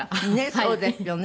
そうですよね。